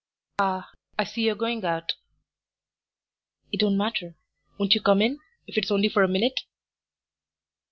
"Ah, I see you're going out." "It don't matter; won't you come in, if it's only for a minute?"